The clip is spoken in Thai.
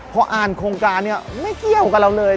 พออ่านโครงการเนี่ยไม่เกี่ยวกับเราเลย